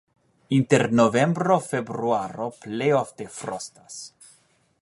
Inter novembro-februaro plej ofte frostas.